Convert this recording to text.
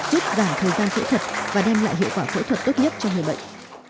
giúp giảm thời gian phẫu thuật và đem lại hiệu quả phẫu thuật tốt nhất cho người bệnh